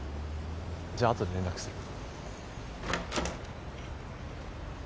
じゃああとで連絡する。